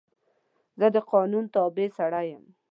زه د قانون تابع سړی یم.